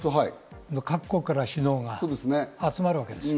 各国から首脳が集まるわけです。